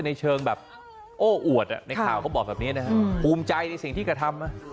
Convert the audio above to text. ในเชิงแบบโอ้อวดในข่าวเขาบอกแบบนี้นะฮะภูมิใจในสิ่งที่กระทำ